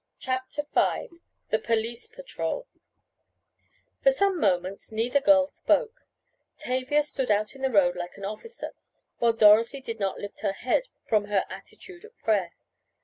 CHAPTER V THE POLICE PATROL For some moments neither girl spoke: Tavia stood out in the road like an officer, while Dorothy did not lift her head from her attitude of prayer.